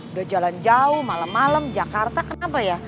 udah jalan jauh malam malam jakarta kenapa ya